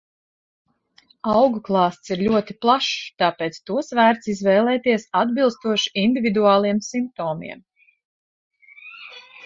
Augu klāsts ir ļoti plašs, tāpēc tos vērts izvēlēties, atbilstoši individuāliem simptomiem.